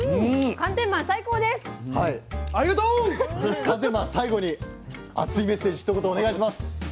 寒天マン最後に熱いメッセージひと言お願いします。